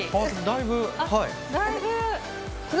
だいぶ。